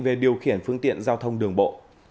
về điều khiển phương tiện giao thông đường bộ